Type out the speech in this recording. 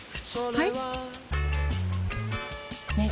はい！